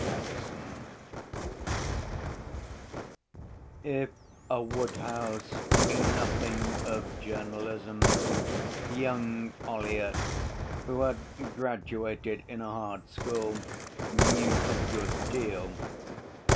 If Woodhouse knew nothing of journalism, young Ollyett, who had graduated in a hard school, knew a good deal.